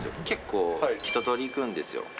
結構一とおりいくんですよ。